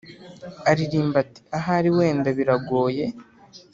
ariramba ati"ahari wenda biragoye